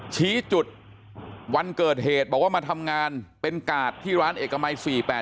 ชี้จุดวันเกิดเหตุบอกว่ามาทำงานเป็นกาดที่ร้านเอกมัย๔๘๘